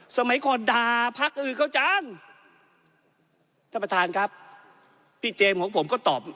สมัยก่อนด่าพักอื่นเขาจังท่านประธานครับพี่เจมส์ของผมก็ตอบ